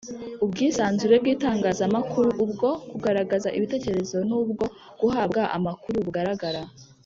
Ubwisanzure bw itangazamakuru ubwo kugaragaza ibitekerezo n ubwo guhabwa amakuru bugaragara